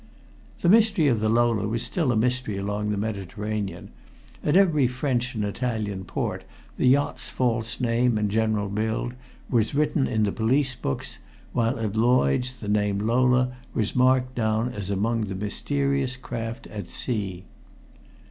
The mystery of the Lola was still a mystery along the Mediterranean. At every French and Italian port the yacht's false name and general build was written in the police books, while at Lloyd's the name Lola was marked down as among the mysterious craft at sea.